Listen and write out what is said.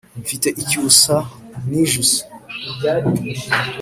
mfite icyusa nijuse.